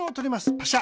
パシャ。